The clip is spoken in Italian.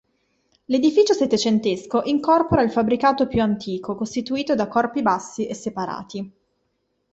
L'edificio settecentesco incorpora il fabbricato più antico costituito da corpi bassi e separati.